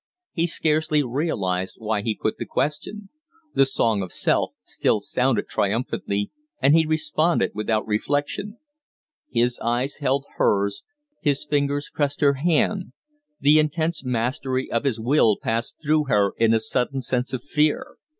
He scarcely realized why he put the question. The song of Self still sounded triumphantly, and he responded without reflection. His eyes held hers, his fingers pressed her hand; the intense mastery of his will passed through her in a sudden sense of fear.